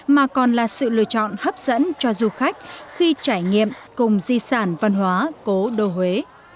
mà còn là sự lựa chọn hấp dẫn cho du khách khi trải nghiệm cùng di sản văn hóa cố đô huế